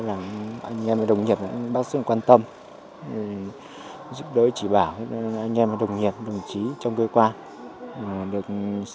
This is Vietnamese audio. làm anh em và đồng nghiệp bác sĩ quan tâm giúp đỡ chỉ bảo anh em và đồng nghiệp đồng chí trong cơ quan